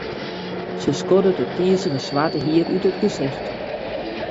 Se skoddet it tizige swarte hier út it gesicht.